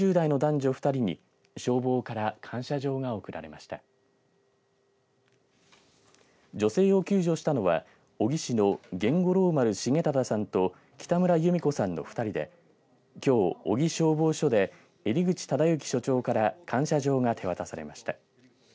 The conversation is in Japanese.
女性を救助したのは小城市の源五郎丸茂忠さんと北村祐美子さんの２人できょう、小城消防署で江里口忠征署長から感謝状が手渡されました。